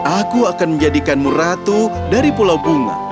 aku akan menjadikanmu ratu dari pulau bunga